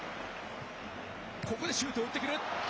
ここでシュートを打ってくる。